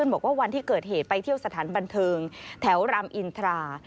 บอกว่าวันที่เกิดเหตุไปเที่ยวสถานบันเทิงแถวรามอินทรา